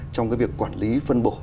trong cái việc quản lý phân bổ